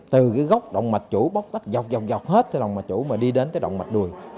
từ góc động mạch chủ bóc tách dọc dọc dọc hết tới động mạch chủ mà đi đến tới động mạch đùi